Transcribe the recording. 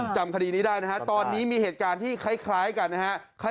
จำคดีนี้ได้นะฮะตอนนี้มีเหตุการณ์ที่คล้ายกันนะฮะ